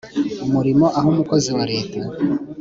umurimo aho umukozi wa Leta